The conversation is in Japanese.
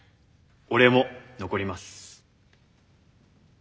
俺も残ります。